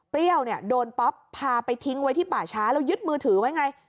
เนี่ยโดนป๊อปพาไปทิ้งไว้ที่ป่าช้าแล้วยึดมือถือไว้ไง